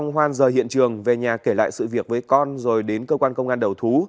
hoan rời hiện trường về nhà kể lại sự việc với con rồi đến cơ quan công an đầu thú